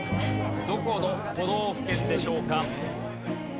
どこの都道府県でしょうか？